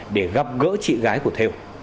để gặp gỡ chị gái của thêu